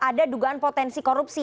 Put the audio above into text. ada dugaan potensi korupsi